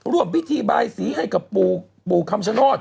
ร่วมพิธีบายสีให้กับปู่คำชโนธ